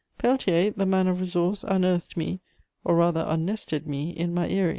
Peltier, the man of resource, unearthed me, or rather unnested me, in my eyry.